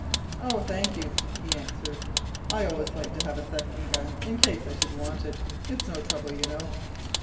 "Oh, thank you," he answered, "I always like to have a second gun in case I should want it. It's no trouble, you know."